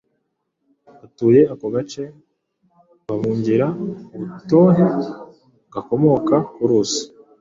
Batuye ako gace babungira ubutohe gakomora ku ruzi